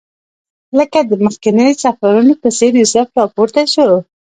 لکه د مخکنیو سفرونو په څېر یوسف راپورته شو.